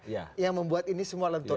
yang membuat ini semua lentur